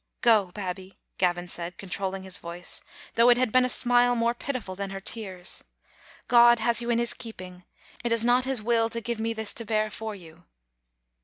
"Go, Babbie!" Gavin said, controlling his voice, though it had been a smile more pitiful than her tears. God has you in His keeping ; it is not His will to give me this to bear for you."